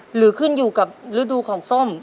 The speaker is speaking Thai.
หรือขึ้นอยู่กับฤดูของส้ม